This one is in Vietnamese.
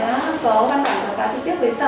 không có bác bảo trực tiếp về sở